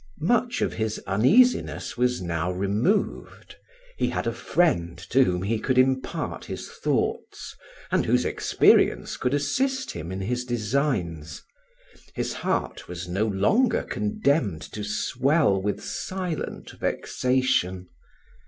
Much of his uneasiness was now removed. He had a friend to whom he could impart his thoughts, and whose experience could assist him in his designs. His heart was no longer condemned to swell with silent vexation.